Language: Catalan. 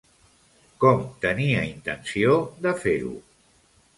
Com tenia intenció de fer-ho?